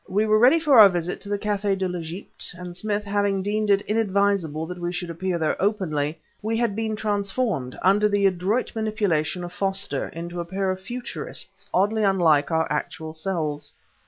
We were ready for our visit to the Café de l'Egypte, and Smith having deemed it inadvisable that we should appear there openly, we had been transformed, under the adroit manipulation of Foster, into a pair of Futurists oddly unlike our actual selves.